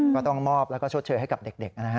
ก็ต้องมอบแล้วก็ชดเชยให้กับเด็กนะฮะ